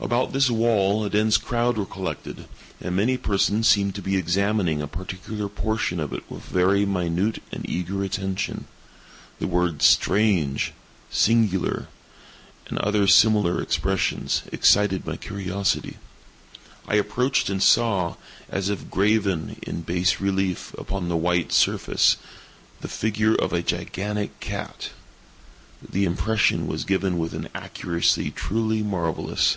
About this wall a dense crowd were collected, and many persons seemed to be examining a particular portion of it with very minute and eager attention. The words "strange!" "singular!" and other similar expressions, excited my curiosity. I approached and saw, as if graven in bas relief upon the white surface, the figure of a gigantic cat. The impression was given with an accuracy truly marvellous.